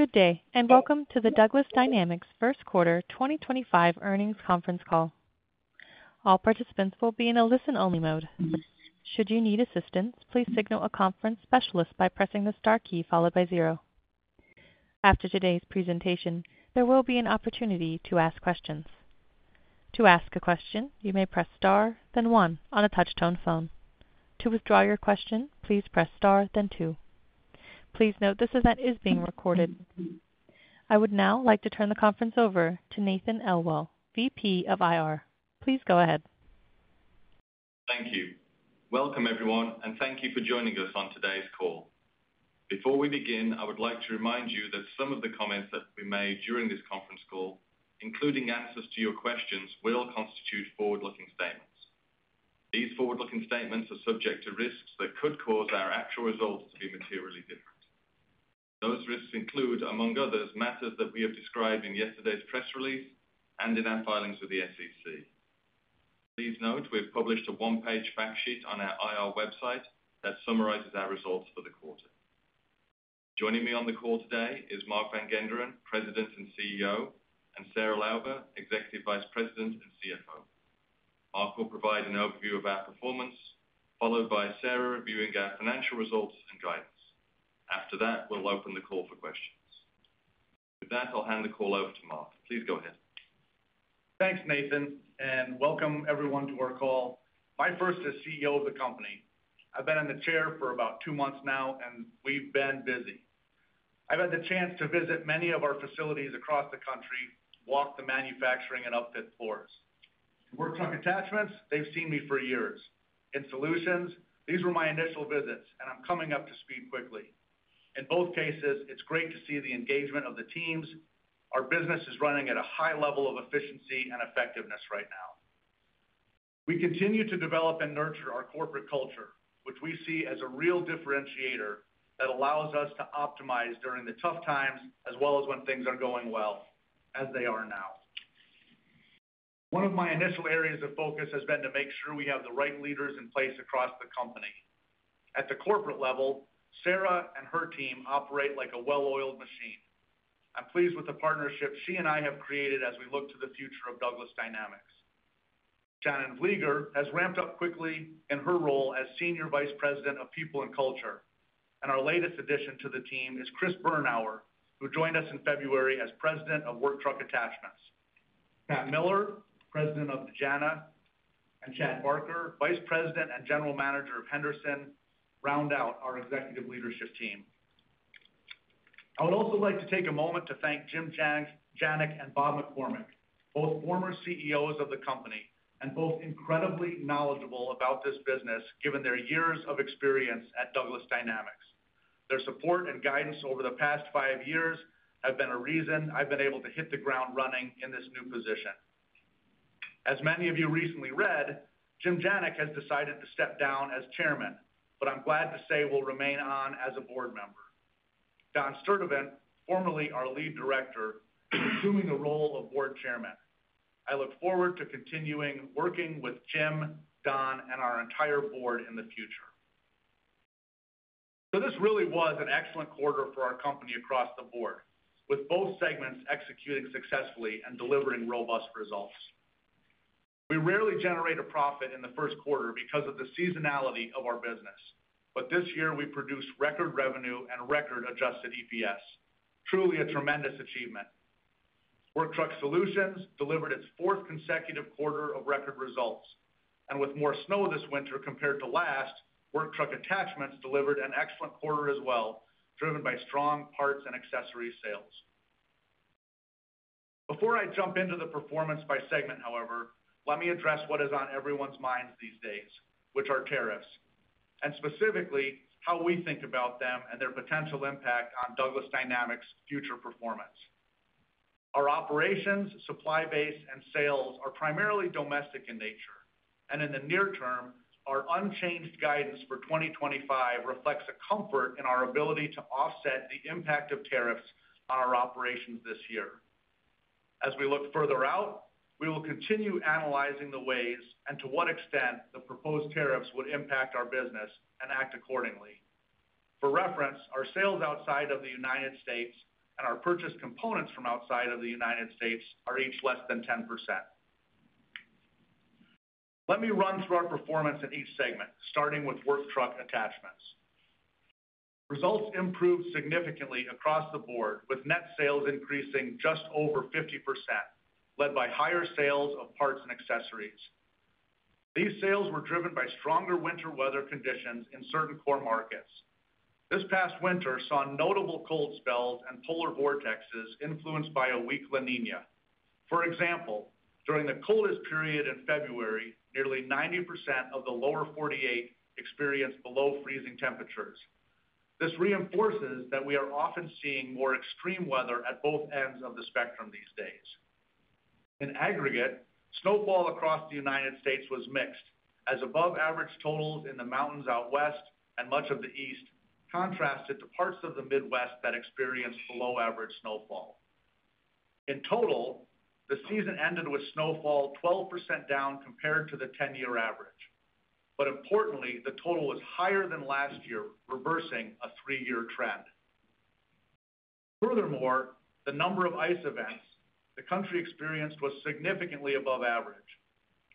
Good day, and welcome to the Douglas Dynamics First Quarter 2025 earnings conference call. All participants will be in a listen-only mode. Should you need assistance, please signal a conference specialist by pressing the star key followed by zero. After today's presentation, there will be an opportunity to ask questions. To ask a question, you may press star, then one, on a touch-tone phone. To withdraw your question, please press star, then two. Please note this event is being recorded. I would now like to turn the conference over to Nathan Elwell, VP of IR. Please go ahead. Thank you. Welcome, everyone, and thank you for joining us on today's call. Before we begin, I would like to remind you that some of the comments that we made during this conference call, including answers to your questions, will constitute forward-looking statements. These forward-looking statements are subject to risks that could cause our actual results to be materially different. Those risks include, among others, matters that we have described in yesterday's press release and in our filings with the SEC. Please note we've published a one-page fact sheet on our IR website that summarizes our results for the quarter. Joining me on the call today is Mark Van Genderen, President and CEO, and Sarah Lauber, Executive Vice President and CFO. Mark will provide an overview of our performance, followed by Sarah reviewing our financial results and guidance. After that, we'll open the call for questions. With that, I'll hand the call over to Mark. Please go ahead. Thanks, Nathan, and welcome everyone to our call. My first as CEO of the company. I've been in the chair for about two months now, and we've been busy. I've had the chance to visit many of our facilities across the country, walk the manufacturing and upfit floors. To Work Truck Attachments, they've seen me for years. In Solutions, these were my initial visits, and I'm coming up to speed quickly. In both cases, it's great to see the engagement of the teams. Our business is running at a high level of efficiency and effectiveness right now. We continue to develop and nurture our corporate culture, which we see as a real differentiator that allows us to optimize during the tough times as well as when things are going well as they are now. One of my initial areas of focus has been to make sure we have the right leaders in place across the company. At the corporate level, Sarah and her team operate like a well-oiled machine. I'm pleased with the partnership she and I have created as we look to the future of Douglas Dynamics. Shannan Vlieger has ramped up quickly in her role as Senior Vice President of People and Culture, and our latest addition to the team is Chris Bernauer, who joined us in February as President of Work Truck Attachments. Pat Miller, President of Dejana, and Chad Barker, Vice President and General Manager of Henderson, round out our executive leadership team. I would also like to take a moment to thank Jim Janik and Bob McCormick, both former CEOs of the company and both incredibly knowledgeable about this business given their years of experience at Douglas Dynamics. Their support and guidance over the past five years have been a reason I've been able to hit the ground running in this new position. As many of you recently read, Jim Janik has decided to step down as Chairman, but I'm glad to say he will remain on as a board member. Don Sturtevant, formerly our lead director, is assuming the role of Board Chairman. I look forward to continuing working with Jim, Don, and our entire board in the future. This really was an excellent quarter for our company across the board, with both segments executing successfully and delivering robust results. We rarely generate a profit in the first quarter because of the seasonality of our business, but this year we produced record revenue and record-adjusted EPS. Truly a tremendous achievement. Work Truck Solutions delivered its fourth consecutive quarter of record results, and with more snow this winter compared to last, Work Truck Attachments delivered an excellent quarter as well, driven by strong parts and accessories sales. Before I jump into the performance by segment, however, let me address what is on everyone's minds these days, which are tariffs, and specifically how we think about them and their potential impact on Douglas Dynamics' future performance. Our operations, supply base, and sales are primarily domestic in nature, and in the near term, our unchanged guidance for 2025 reflects a comfort in our ability to offset the impact of tariffs on our operations this year. As we look further out, we will continue analyzing the ways and to what extent the proposed tariffs would impact our business and act accordingly. For reference, our sales outside of the U.S. and our purchased components from outside of the U.S. are each less than 10%. Let me run through our performance in each segment, starting with Work Truck Attachments. Results improved significantly across the board, with net sales increasing just over 50%, led by higher sales of parts and accessories. These sales were driven by stronger winter weather conditions in certain core markets. This past winter saw notable cold spells and polar vortexes influenced by a weak La Niña. For example, during the coldest period in February, nearly 90% of the lower 48 experienced below-freezing temperatures. This reinforces that we are often seeing more extreme weather at both ends of the spectrum these days. In aggregate, snowfall across the U.S. was mixed, as above-average totals in the mountains out west and much of the east contrasted to parts of the Midwest that experienced below-average snowfall. In total, the season ended with snowfall 12% down compared to the 10-year average, but importantly, the total was higher than last year, reversing a three-year trend. Furthermore, the number of ice events the country experienced was significantly above average.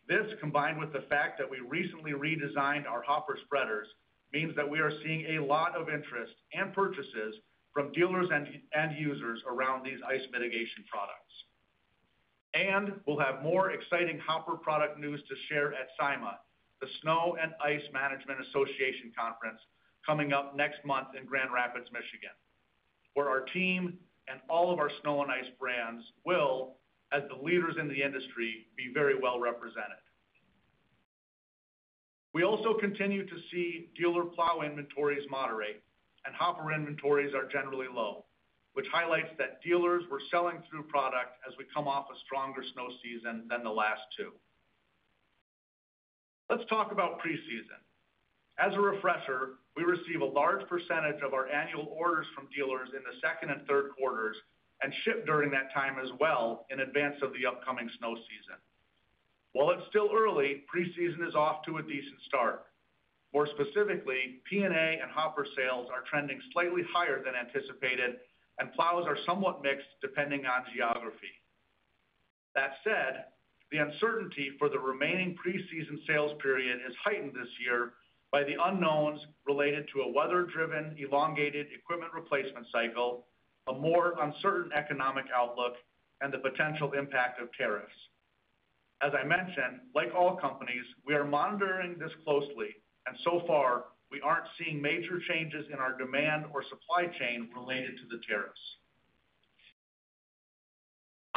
This, combined with the fact that we recently redesigned our hopper spreaders, means that we are seeing a lot of interest and purchases from dealers and end users around these ice mitigation products. We will have more exciting hopper product news to share at SIMA, the Snow and Ice Management Association Conference coming up next month in Grand Rapids, Michigan, where our team and all of our snow and ice brands will, as the leaders in the industry, be very well represented. We also continue to see dealer plow inventories moderate, and hopper inventories are generally low, which highlights that dealers were selling through product as we come off a stronger snow season than the last two. Let's talk about pre-season. As a refresher, we receive a large percentage of our annual orders from dealers in the second and third quarters and ship during that time as well in advance of the upcoming snow season. While it is still early, pre-season is off to a decent start. More specifically, P&A and hopper sales are trending slightly higher than anticipated, and plows are somewhat mixed depending on geography. That said, the uncertainty for the remaining pre-season sales period is heightened this year by the unknowns related to a weather-driven elongated equipment replacement cycle, a more uncertain economic outlook, and the potential impact of tariffs. As I mentioned, like all companies, we are monitoring this closely, and so far, we aren't seeing major changes in our demand or supply chain related to the tariffs.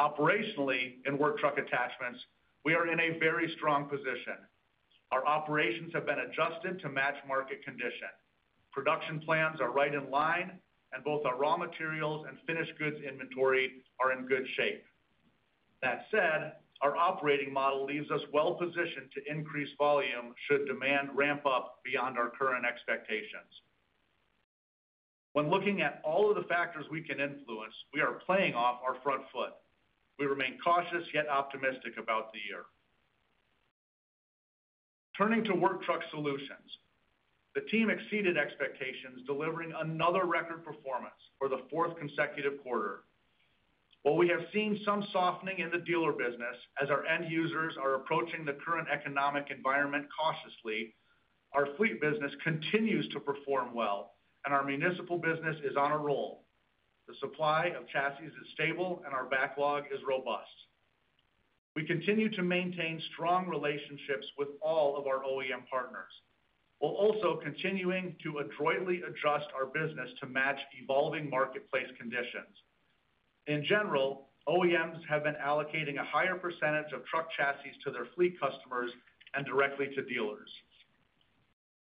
Operationally, in Work Truck Attachments, we are in a very strong position. Our operations have been adjusted to match market conditions. Production plans are right in line, and both our raw materials and finished goods inventory are in good shape. That said, our operating model leaves us well positioned to increase volume should demand ramp up beyond our current expectations. When looking at all of the factors we can influence, we are playing off our front foot. We remain cautious yet optimistic about the year. Turning to Work Truck Solutions, the team exceeded expectations, delivering another record performance for the fourth consecutive quarter. While we have seen some softening in the dealer business as our end users are approaching the current economic environment cautiously, our fleet business continues to perform well, and our municipal business is on a roll. The supply of chassis is stable, and our backlog is robust. We continue to maintain strong relationships with all of our OEM partners, while also continuing to adroitly adjust our business to match evolving marketplace conditions. In general, OEMs have been allocating a higher percentage of truck chassis to their fleet customers and directly to dealers.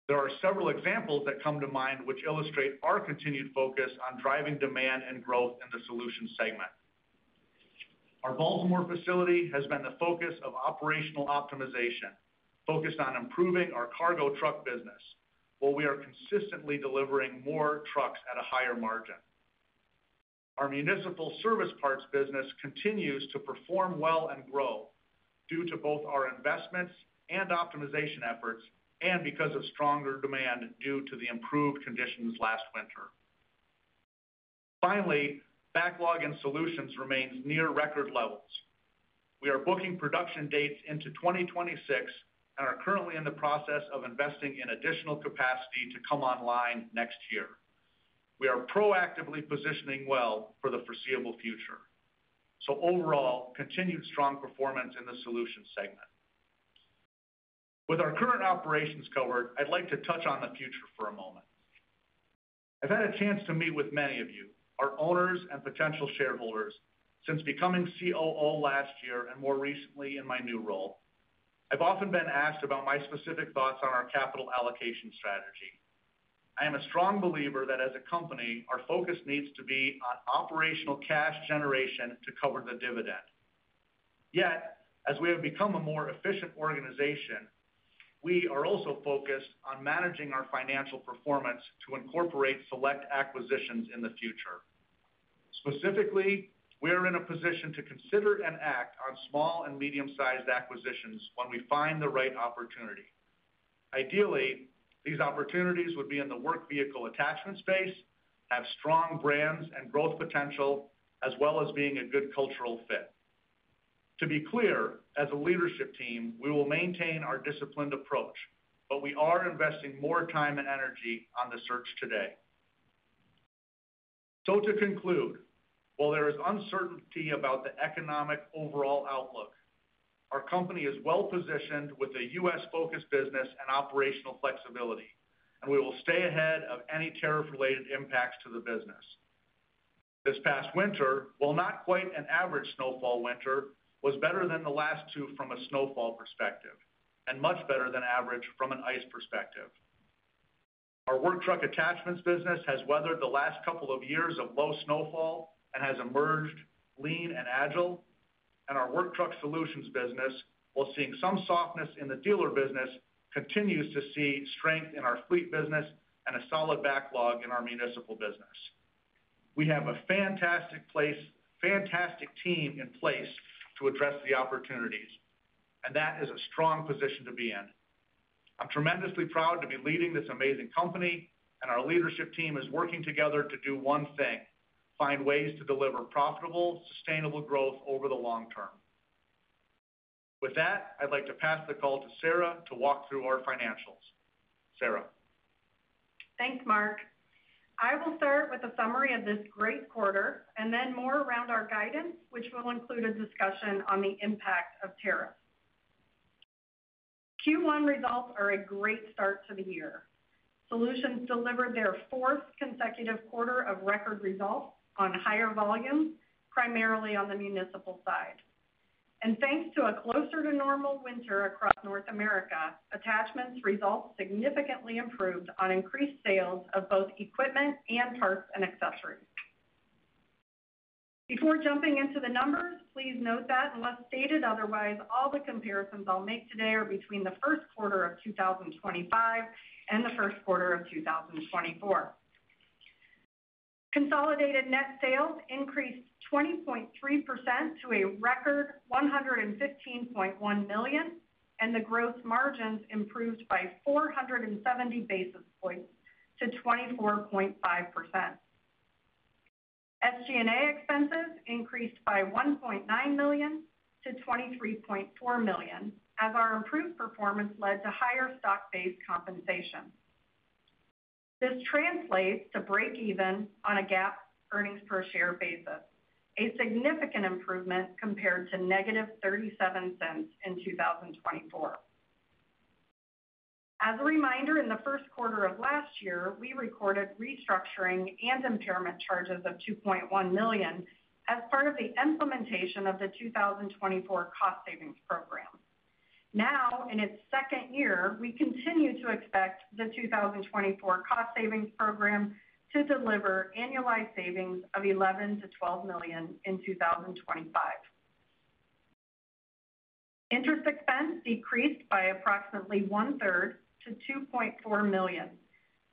There are several examples that come to mind which illustrate our continued focus on driving demand and growth in the Solutions segment. Our Baltimore facility has been the focus of operational optimization, focused on improving our cargo truck business, while we are consistently delivering more trucks at a higher margin. Our municipal service parts business continues to perform well and grow due to both our investments and optimization efforts and because of stronger demand due to the improved conditions last winter. Finally, backlog in Solutions remains near record levels. We are booking production dates into 2026 and are currently in the process of investing in additional capacity to come online next year. We are proactively positioning well for the foreseeable future. Overall, continued strong performance in the Solutions segment. With our current operations covered, I'd like to touch on the future for a moment. I've had a chance to meet with many of you, our owners and potential shareholders, since becoming COO last year and more recently in my new role. I've often been asked about my specific thoughts on our capital allocation strategy. I am a strong believer that as a company, our focus needs to be on operational cash generation to cover the dividend. Yet, as we have become a more efficient organization, we are also focused on managing our financial performance to incorporate select acquisitions in the future. Specifically, we are in a position to consider and act on small and medium-sized acquisitions when we find the right opportunity. Ideally, these opportunities would be in the work vehicle attachment space, have strong brands and growth potential, as well as being a good cultural fit. To be clear, as a leadership team, we will maintain our disciplined approach, but we are investing more time and energy on the search today. To conclude, while there is uncertainty about the economic overall outlook, our company is well positioned with a U.S.-focused business and operational flexibility, and we will stay ahead of any tariff-related impacts to the business. This past winter, while not quite an average snowfall winter, was better than the last two from a snowfall perspective and much better than average from an ice perspective. Our work truck attachments business has weathered the last couple of years of low snowfall and has emerged lean and agile, and our work truck solutions business, while seeing some softness in the dealer business, continues to see strength in our fleet business and a solid backlog in our municipal business. We have a fantastic place, fantastic team in place to address the opportunities, and that is a strong position to be in. I'm tremendously proud to be leading this amazing company, and our leadership team is working together to do one thing: find ways to deliver profitable, sustainable growth over the long term. With that, I'd like to pass the call to Sarah to walk through our financials. Sarah. Thanks, Mark. I will start with a summary of this great quarter and then more around our guidance, which will include a discussion on the impact of tariffs. Q1 results are a great start to the year. Solutions delivered their fourth consecutive quarter of record results on higher volumes, primarily on the municipal side. Thanks to a closer-to-normal winter across North America, attachments' results significantly improved on increased sales of both equipment and parts and accessories. Before jumping into the numbers, please note that, unless stated otherwise, all the comparisons I'll make today are between the first quarter of 2025 and the first quarter of 2024. Consolidated net sales increased 20.3% to a record $115.1 million, and the gross margins improved by 470 basis points to 24.5%. SG&A expenses increased by $1.9 million to $23.4 million, as our improved performance led to higher stock-based compensation. This translates to break-even on a GAAP earnings per share basis, a significant improvement compared to negative $0.37 in 2024. As a reminder, in the first quarter of last year, we recorded restructuring and impairment charges of $2.1 million as part of the implementation of the 2024 cost savings program. Now, in its second year, we continue to expect the 2024 cost savings program to deliver annualized savings of $11-$12 million in 2025. Interest expense decreased by approximately one-third to $2.4 million,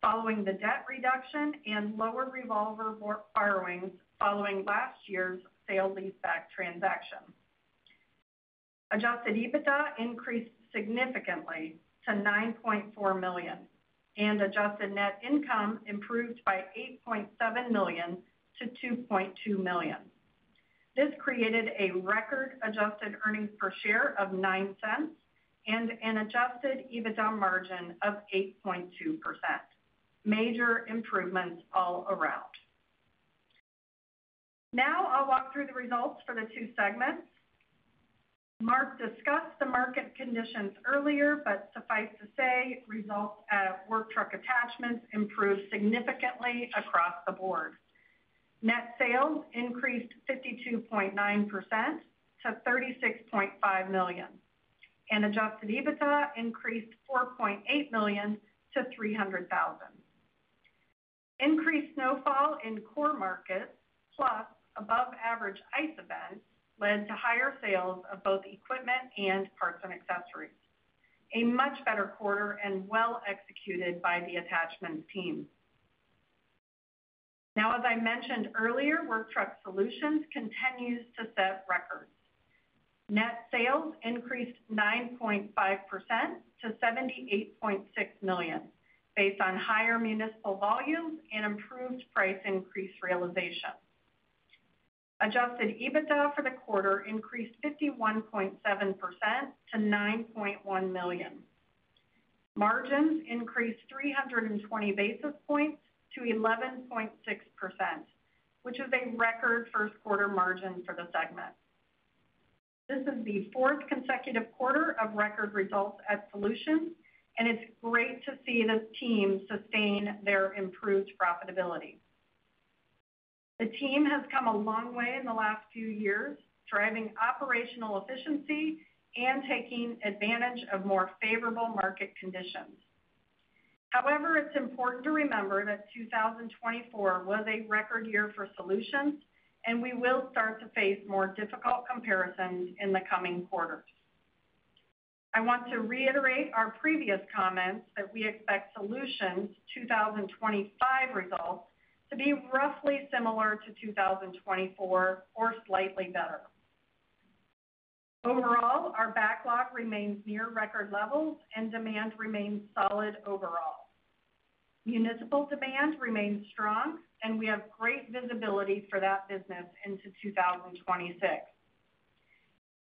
following the debt reduction and lower revolver borrowings following last year's sale lease-back transaction. Adjusted EBITDA increased significantly to $9.4 million, and adjusted net income improved by $8.7 million to $2.2 million. This created a record adjusted earnings per share of $0.09 and an adjusted EBITDA margin of 8.2%. Major improvements all around. Now I'll walk through the results for the two segments. Mark discussed the market conditions earlier, but suffice to say, results at Work Truck Attachments improved significantly across the board. Net sales increased 52.9% to $36.5 million, and adjusted EBITDA increased $4.8 million to $300,000. Increased snowfall in core markets, plus above-average ice events, led to higher sales of both equipment and parts and accessories. A much better quarter and well executed by the attachments team. Now, as I mentioned earlier, Work Truck Solutions continues to set records. Net sales increased 9.5% to $78.6 million, based on higher municipal volumes and improved price increase realization. Adjusted EBITDA for the quarter increased 51.7% to $9.1 million. Margins increased 320 basis points to 11.6%, which is a record first quarter margin for the segment. This is the fourth consecutive quarter of record results at Solutions, and it's great to see the team sustain their improved profitability. The team has come a long way in the last few years, driving operational efficiency and taking advantage of more favorable market conditions. However, it's important to remember that 2024 was a record year for Solutions, and we will start to face more difficult comparisons in the coming quarters. I want to reiterate our previous comments that we expect Solutions' 2025 results to be roughly similar to 2024 or slightly better. Overall, our backlog remains near record levels, and demand remains solid overall. Municipal demand remains strong, and we have great visibility for that business into 2026.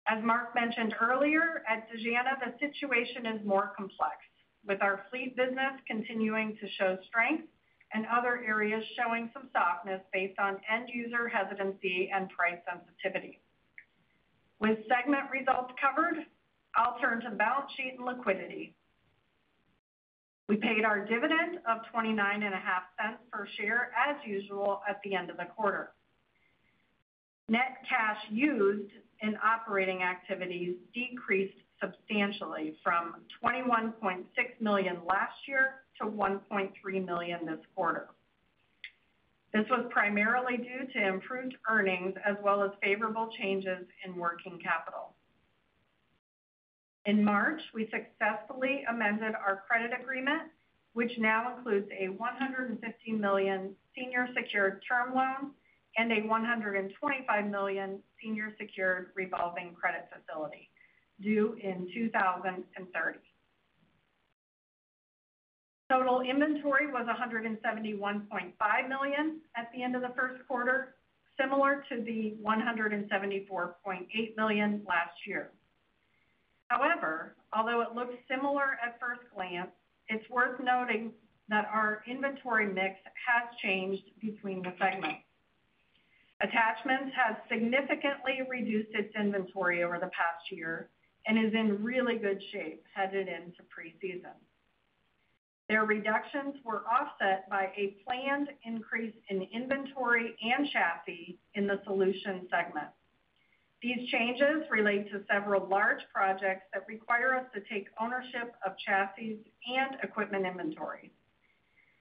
As Mark mentioned earlier, at Dejana, the situation is more complex, with our fleet business continuing to show strength and other areas showing some softness based on end user hesitancy and price sensitivity. With segment results covered, I'll turn to balance sheet and liquidity. We paid our dividend of $0.295 per share as usual at the end of the quarter. Net cash used in operating activities decreased substantially from $21.6 million last year to $1.3 million this quarter. This was primarily due to improved earnings as well as favorable changes in working capital. In March, we successfully amended our credit agreement, which now includes a $150 million senior secured term loan and a $125 million senior secured revolving credit facility due in 2030. Total inventory was $171.5 million at the end of the first quarter, similar to the $174.8 million last year. However, although it looks similar at first glance, it's worth noting that our inventory mix has changed between the segments. Attachments has significantly reduced its inventory over the past year and is in really good shape headed into pre-season. Their reductions were offset by a planned increase in inventory and chassis in the Solutions segment. These changes relate to several large projects that require us to take ownership of chassis and equipment inventory.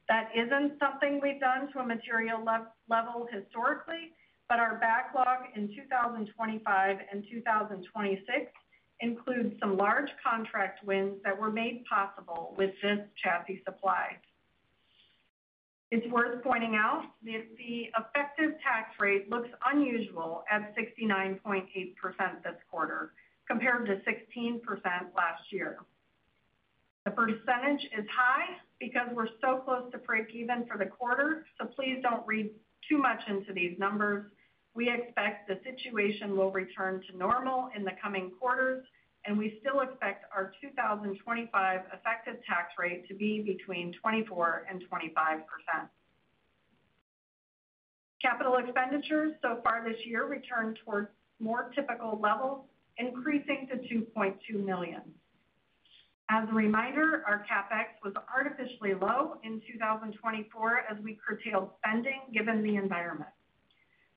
That isn't something we've done to a material level historically, but our backlog in 2025 and 2026 includes some large contract wins that were made possible with this chassis supply. It's worth pointing out that the effective tax rate looks unusual at 69.8% this quarter compared to 16% last year. The percentage is high because we're so close to break-even for the quarter, so please don't read too much into these numbers. We expect the situation will return to normal in the coming quarters, and we still expect our 2025 effective tax rate to be between 24% and 25%. Capital expenditures so far this year returned towards more typical levels, increasing to $2.2 million. As a reminder, our CapEx was artificially low in 2024 as we curtailed spending given the environment.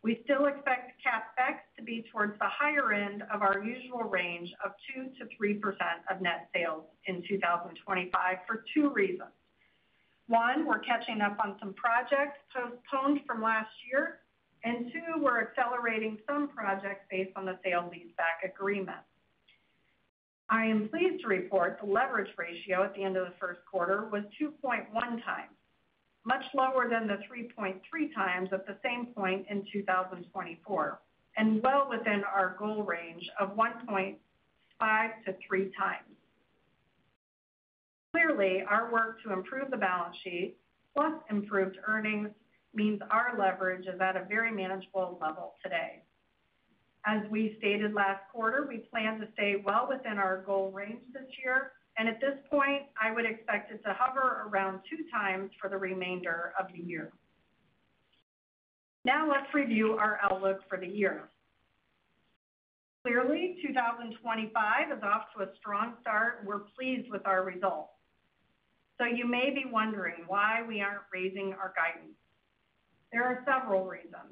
We still expect CapEx to be towards the higher end of our usual range of 2-3% of net sales in 2025 for two reasons. One, we're catching up on some projects postponed from last year, and two, we're accelerating some projects based on the sale lease-back agreement. I am pleased to report the leverage ratio at the end of the first quarter was 2.1 times, much lower than the 3.3 times at the same point in 2024, and well within our goal range of 1.5-3 times. Clearly, our work to improve the balance sheet, plus improved earnings, means our leverage is at a very manageable level today. As we stated last quarter, we plan to stay well within our goal range this year, and at this point, I would expect it to hover around two times for the remainder of the year. Now let's review our outlook for the year. Clearly, 2025 is off to a strong start. We're pleased with our results. You may be wondering why we aren't raising our guidance. There are several reasons.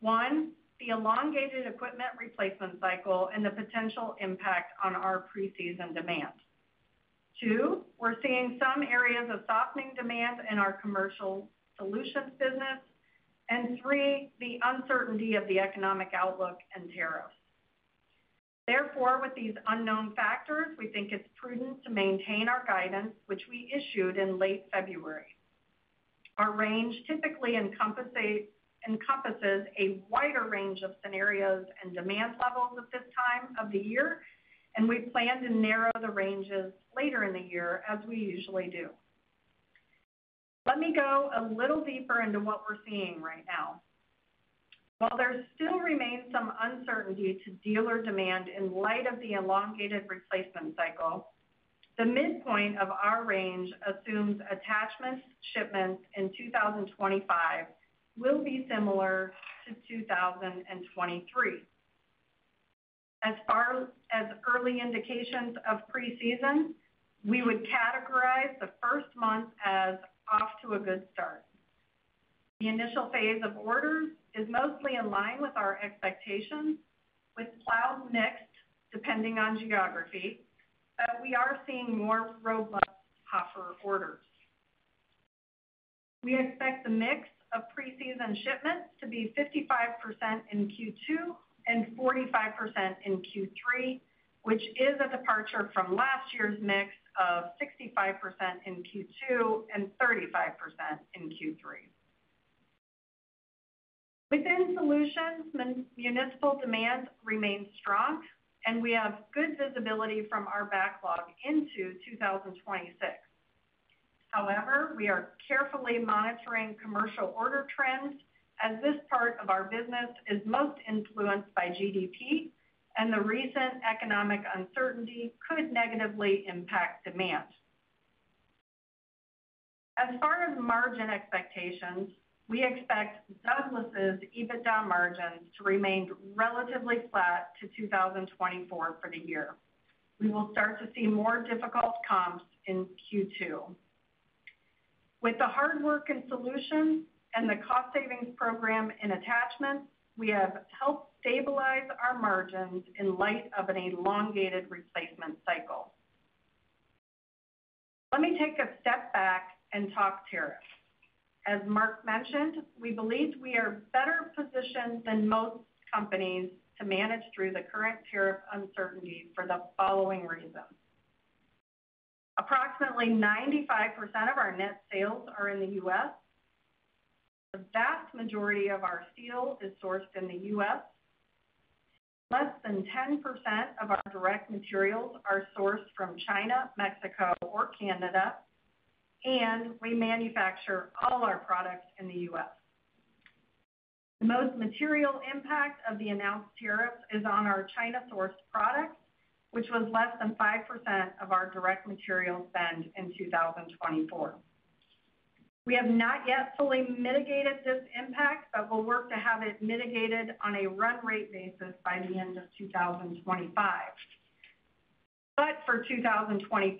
One, the elongated equipment replacement cycle and the potential impact on our pre-season demand. Two, we're seeing some areas of softening demand in our commercial solutions business. Three, the uncertainty of the economic outlook and tariffs. Therefore, with these unknown factors, we think it's prudent to maintain our guidance, which we issued in late February. Our range typically encompasses a wider range of scenarios and demand levels at this time of the year, and we plan to narrow the ranges later in the year as we usually do. Let me go a little deeper into what we're seeing right now. While there still remains some uncertainty to dealer demand in light of the elongated replacement cycle, the midpoint of our range assumes attachments' shipments in 2025 will be similar to 2023. As far as early indications of pre-season, we would categorize the first month as off to a good start. The initial phase of orders is mostly in line with our expectations, with cloud mix depending on geography, but we are seeing more robust tougher orders. We expect the mix of pre-season shipments to be 55% in Q2 and 45% in Q3, which is a departure from last year's mix of 65% in Q2 and 35% in Q3. Within Solutions, municipal demand remains strong, and we have good visibility from our backlog into 2026. However, we are carefully monitoring commercial order trends as this part of our business is most influenced by GDP, and the recent economic uncertainty could negatively impact demand. As far as margin expectations, we expect Douglas' EBITDA margins to remain relatively flat to 2024 for the year. We will start to see more difficult comps in Q2. With the hard work in Solutions and the cost savings program in Attachments, we have helped stabilize our margins in light of an elongated replacement cycle. Let me take a step back and talk tariffs. As Mark mentioned, we believe we are better positioned than most companies to manage through the current tariff uncertainty for the following reasons. Approximately 95% of our net sales are in the U.S. The vast majority of our steel is sourced in the U.S. Less than 10% of our direct materials are sourced from China, Mexico, or Canada, and we manufacture all our products in the U.S. The most material impact of the announced tariffs is on our China-sourced products, which was less than 5% of our direct material spend in 2024. We have not yet fully mitigated this impact, but we'll work to have it mitigated on a run rate basis by the end of 2025. For 2025,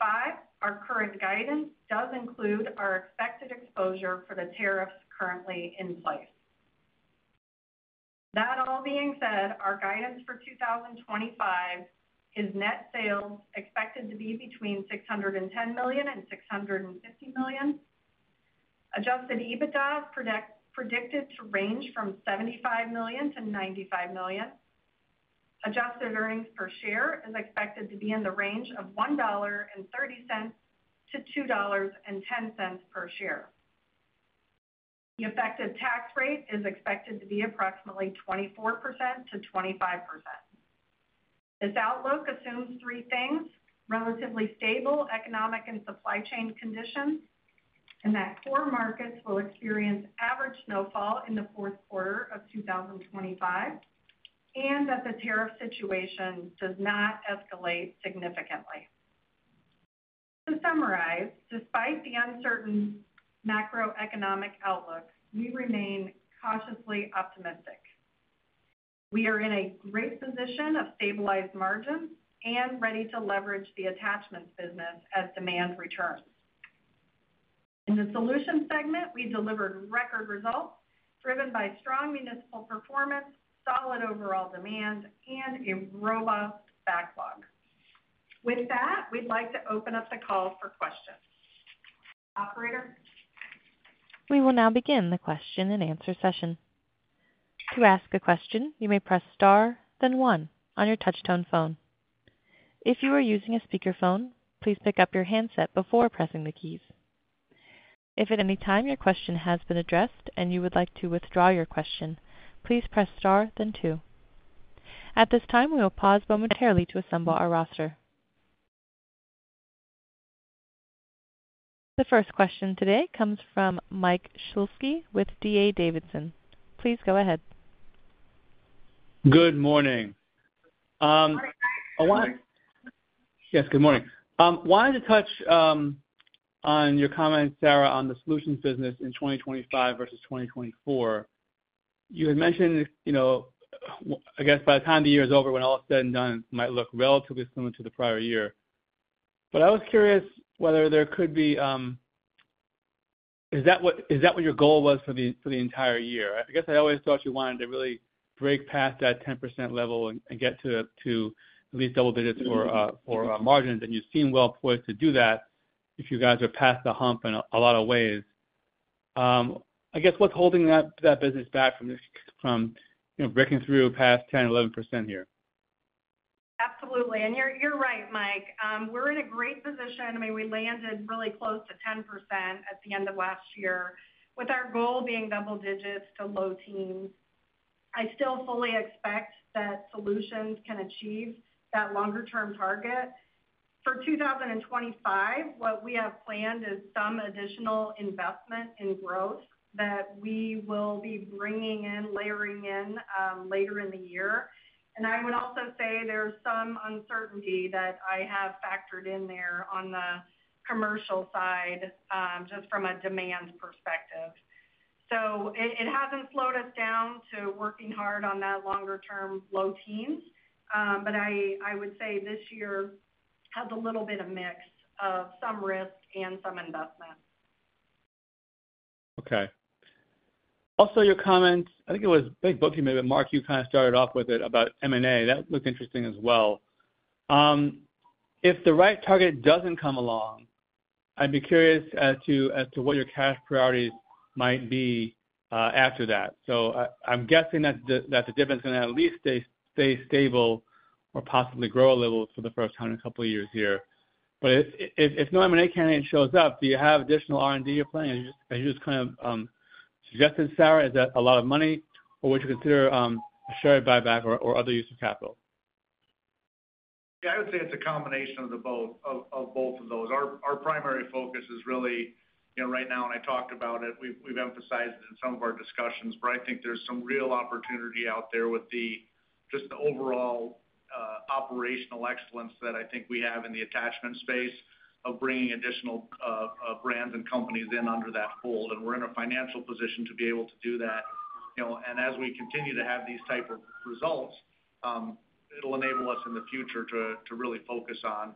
our current guidance does include our expected exposure for the tariffs currently in place. That all being said, our guidance for 2025 is net sales expected to be between $610 million and $650 million. Adjusted EBITDA is predicted to range from $75 million-$95 million. Adjusted earnings per share is expected to be in the range of $1.30-$2.10 per share. The effective tax rate is expected to be approximately 24%-25%. This outlook assumes three things: relatively stable economic and supply chain conditions, that core markets will experience average snowfall in the fourth quarter of 2025, and that the tariff situation does not escalate significantly. To summarize, despite the uncertain macroeconomic outlook, we remain cautiously optimistic. We are in a great position of stabilized margins and ready to leverage the attachments business as demand returns. In the solution segment, we delivered record results driven by strong municipal performance, solid overall demand, and a robust backlog. With that, we'd like to open up the call for questions. Operator. We will now begin the question and answer session. To ask a question, you may press star, then one on your touch-tone phone. If you are using a speakerphone, please pick up your handset before pressing the keys. If at any time your question has been addressed and you would like to withdraw your question, please press star, then two. At this time, we will pause momentarily to assemble our roster. The first question today comes from Mike Shlisky with D.A. Davidson. Please go ahead. Good morning. Yes, good morning. Wanted to touch on your comments, Sarah, on the solutions business in 2025 versus 2024. You had mentioned, I guess, by the time the year is over, when all is said and done, it might look relatively similar to the prior year. I was curious whether there could be—is that what your goal was for the entire year? I guess I always thought you wanted to really break past that 10% level and get to at least double digits for margins. You seem well poised to do that if you guys are past the hump in a lot of ways. I guess what's holding that business back from breaking through past 10-11% here? Absolutely. You're right, Mike. We're in a great position. I mean, we landed really close to 10% at the end of last year with our goal being double digits to low teens. I still fully expect that solutions can achieve that longer-term target. For 2025, what we have planned is some additional investment in growth that we will be bringing in, layering in later in the year. I would also say there is some uncertainty that I have factored in there on the commercial side just from a demand perspective. It has not slowed us down to working hard on that longer-term low teens. I would say this year has a little bit of mix of some risk and some investment. Okay. Also, your comments—I think it was—I think both of you maybe, but Mark, you kind of started off with it about M&A. That looked interesting as well. If the right target does not come along, I would be curious as to what your cash priorities might be after that. I'm guessing that the difference is going to at least stay stable or possibly grow a little for the first time in a couple of years here. If no M&A candidate shows up, do you have additional R&D you're planning? As you just kind of suggested, Sarah, is that a lot of money, or would you consider a share buyback or other use of capital? Yeah, I would say it's a combination of both of those. Our primary focus is really right now, and I talked about it. We've emphasized it in some of our discussions, but I think there's some real opportunity out there with just the overall operational excellence that I think we have in the attachment space of bringing additional brands and companies in under that fold. We're in a financial position to be able to do that. As we continue to have these types of results, it'll enable us in the future to really focus on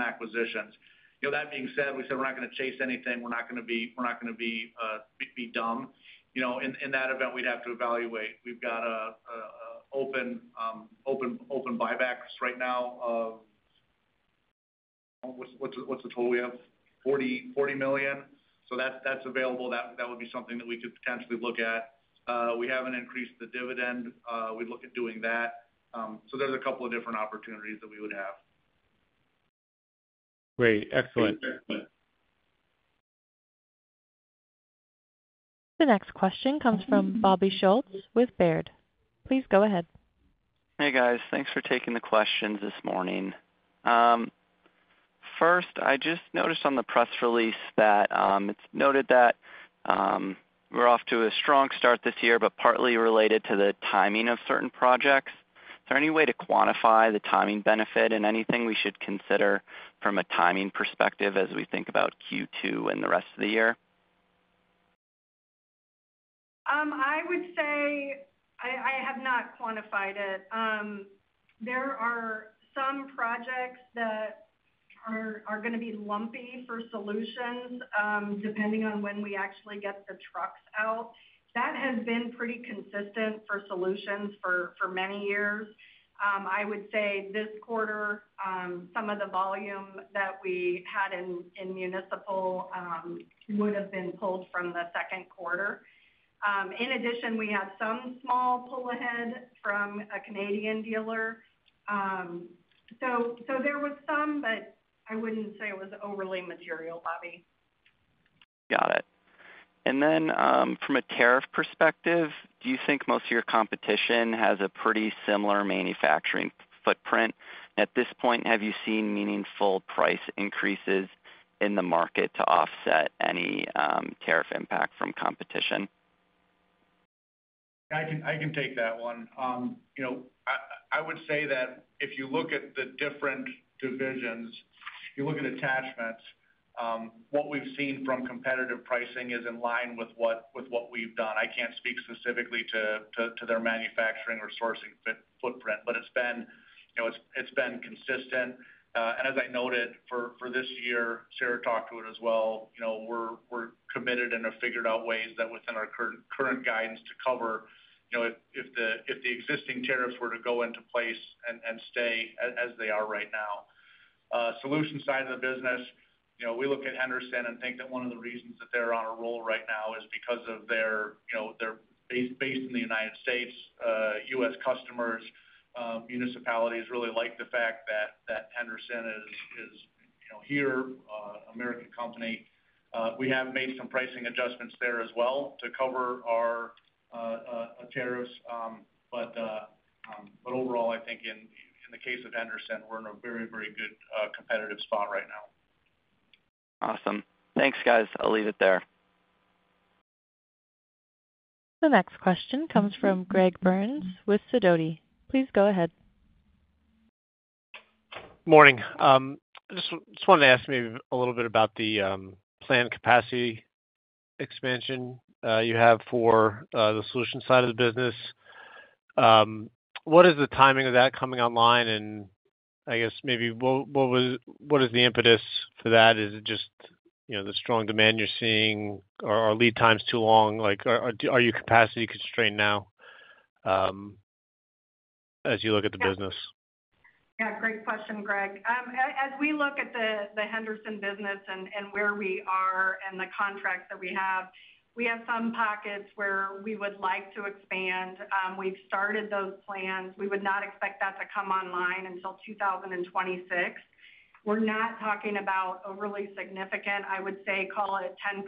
acquisitions. That being said, we said we're not going to chase anything. We're not going to be—we're not going to be dumb. In that event, we'd have to evaluate. We've got an open buyback right now of—what's the total we have? $40 million. So that's available. That would be something that we could potentially look at. We haven't increased the dividend. We'd look at doing that. There's a couple of different opportunities that we would have. Great. Excellent. The next question comes from Bobby Schultz with Baird. Please go ahead. Hey, guys. Thanks for taking the questions this morning. First, I just noticed on the press release that it's noted that we're off to a strong start this year, but partly related to the timing of certain projects. Is there any way to quantify the timing benefit and anything we should consider from a timing perspective as we think about Q2 and the rest of the year? I would say I have not quantified it. There are some projects that are going to be lumpy for solutions depending on when we actually get the trucks out. That has been pretty consistent for solutions for many years. I would say this quarter, some of the volume that we had in municipal would have been pulled from the second quarter. In addition, we had some small pull ahead from a Canadian dealer. There was some, but I would not say it was overly material, Bobby. Got it. From a tariff perspective, do you think most of your competition has a pretty similar manufacturing footprint? At this point, have you seen meaningful price increases in the market to offset any tariff impact from competition? I can take that one. I would say that if you look at the different divisions, you look at attachments, what we've seen from competitive pricing is in line with what we've done. I can't speak specifically to their manufacturing or sourcing footprint, but it's been consistent. As I noted, for this year, Sarah talked to it as well. We're committed and have figured out ways that within our current guidance to cover if the existing tariffs were to go into place and stay as they are right now. Solution side of the business, we look at Henderson and think that one of the reasons that they're on a roll right now is because they're based in the United States. U.S. customers, municipalities really like the fact that Henderson is here, American company. We have made some pricing adjustments there as well to cover our tariffs. Overall, I think in the case of Henderson, we're in a very, very good competitive spot right now. Awesome. Thanks, guys. I'll leave it there. The next question comes from Greg Burns with Sidoti. Please go ahead. Morning. Just wanted to ask maybe a little bit about the plant capacity expansion you have for the Solutions side of the business. What is the timing of that coming online? I guess maybe what is the impetus for that? Is it just the strong demand you're seeing or are lead times too long? Are you capacity constrained now as you look at the business? Yeah. Great question, Greg. As we look at the Henderson business and where we are and the contracts that we have, we have some pockets where we would like to expand. We've started those plans. We would not expect that to come online until 2026. We're not talking about overly significant, I would say call it 10%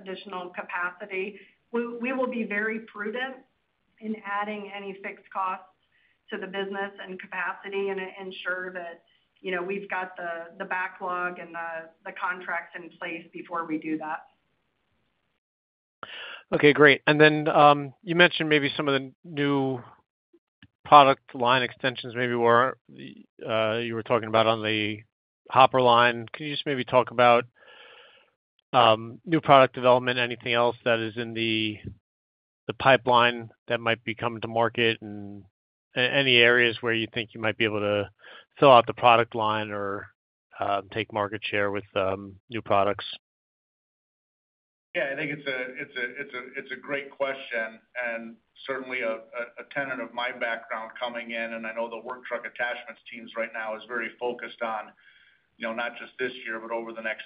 additional capacity. We will be very prudent in adding any fixed costs to the business and capacity and ensure that we've got the backlog and the contracts in place before we do that. Okay. Great. Then you mentioned maybe some of the new product line extensions maybe you were talking about on the Hopper line. Can you just maybe talk about new product development, anything else that is in the pipeline that might be coming to market and any areas where you think you might be able to fill out the product line or take market share with new products? Yeah. I think it's a great question and certainly a tenant of my background coming in. I know the work truck attachments teams right now are very focused on not just this year, but over the next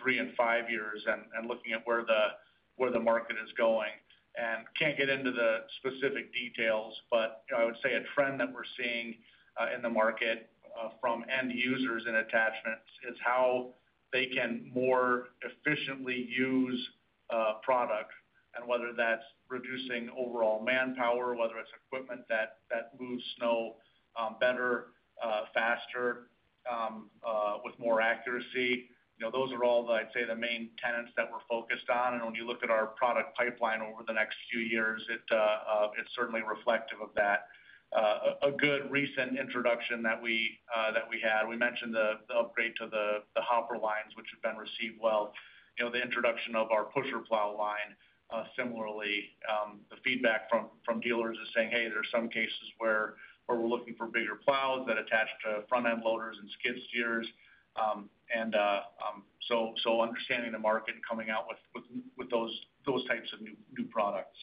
three and five years and looking at where the market is going. I can't get into the specific details, but I would say a trend that we're seeing in the market from end users in attachments is how they can more efficiently use product and whether that's reducing overall manpower, whether it's equipment that moves snow better, faster, with more accuracy. Those are all, I'd say, the main tenets that we're focused on. When you look at our product pipeline over the next few years, it's certainly reflective of that. A good recent introduction that we had, we mentioned the upgrade to the Hopper lines, which have been received well. The introduction of our pusher plow line. Similarly, the feedback from dealers is saying, "Hey, there are some cases where we're looking for bigger plows that attach to front-end loaders and skid steers." Understanding the market and coming out with those types of new products.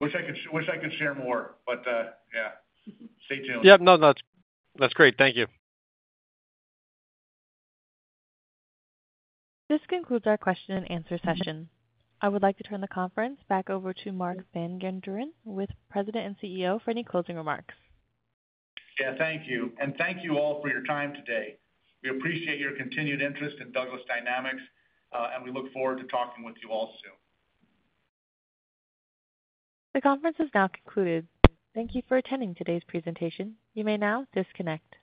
Wish I could share more, but yeah. Stay tuned. Yep. No, that's great. Thank you. This concludes our question and answer session. I would like to turn the conference back over to Mark Van Genderen, President and CEO, for any closing remarks. Yeah. Thank you. Thank you all for your time today. We appreciate your continued interest in Douglas Dynamics, and we look forward to talking with you all soon. The conference has now concluded. Thank you for attending today's presentation. You may now disconnect.